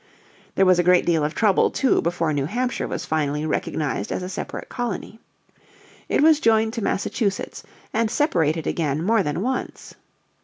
There was a great deal of trouble, too, before New Hampshire was finally recognised as a separate colony. It was joined to Massachusetts and separated again more than once.